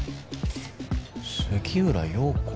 「杉浦瑤子」？